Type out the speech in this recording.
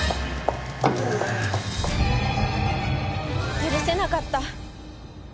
許せなかった。